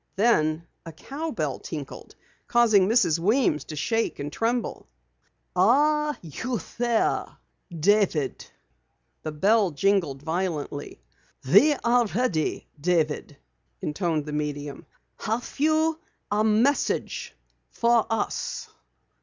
Then a cowbell tinkled, causing Mrs. Weems to shake and tremble. "Are you there, David?" called the medium. The bell jingled violently. "We are ready, David," intoned the medium. "Have you a message for us?"